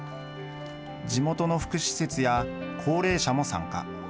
地元の福祉施設や高齢者も参加。